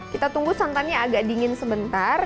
kita tunggu santannya agak dingin sebentar